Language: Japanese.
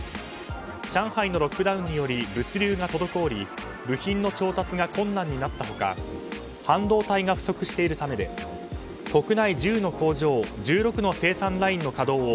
上海のロックダウンにより物流が滞り部品の調達が困難になった他半導体が不足しているためで国内１０の工場１６の生産ラインの稼働を